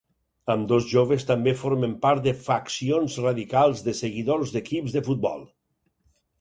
Ambdós joves també formen part de faccions radicals de seguidors d’equips de futbol.